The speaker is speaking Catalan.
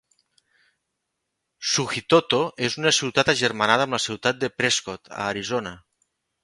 Suchitoto és una ciutat agermanada amb la ciutat de Prescott, a Arizona.